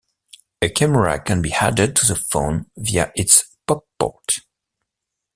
A camera can be added to the phone via its Pop-Port.